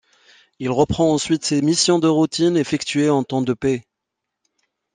Il reprend ensuite ses missions de routines effectuées en temps de paix.